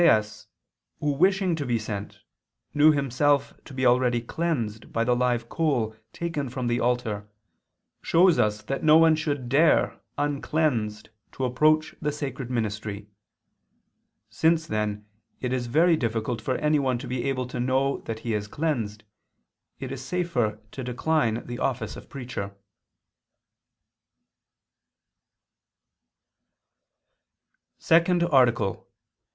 i, 7), "Isaias, who wishing to be sent, knew himself to be already cleansed by the live coal taken from the altar, shows us that no one should dare uncleansed to approach the sacred ministry. Since, then, it is very difficult for anyone to be able to know that he is cleansed, it is safer to decline the office of preacher." _______________________ SECOND ARTICLE [II II, Q. 185, Art.